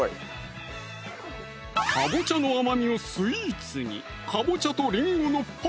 かぼちゃの甘みをスイーツにわお！